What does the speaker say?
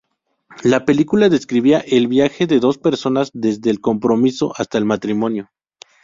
La película describía el viaje de dos personas desde el compromiso hasta el matrimonio.